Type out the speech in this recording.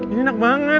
ini enak banget